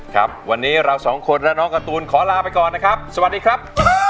ครับวันนี้เราสองคนและน้องการ์ตูนขอลาไปก่อนนะครับสวัสดีครับ